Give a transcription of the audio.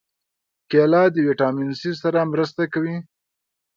کېله د ویټامین C سره مرسته کوي.